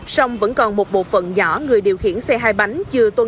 song vẫn còn một bộ phận nhỏ người điều khiển xe hai bánh chưa tôn trụ tốt quy định